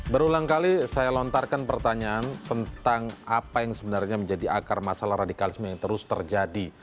berulang kali saya lontarkan pertanyaan tentang apa yang sebenarnya menjadi akar masalah radikalisme yang terus terjadi